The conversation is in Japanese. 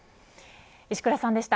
石倉さんでした。